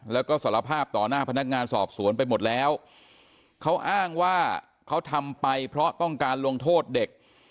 แล้วก็สารภาพต่อหน้าพนักงานสอบสวนไปหมดแล้วเขาอ้างว่าเขาทำไปเพราะต้องการลงโทษเด็ก